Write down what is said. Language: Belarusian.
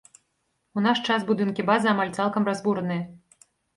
У наш час будынкі базы амаль цалкам разбураныя.